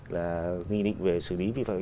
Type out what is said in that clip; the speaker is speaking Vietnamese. là nghị định về xử lý vi phạm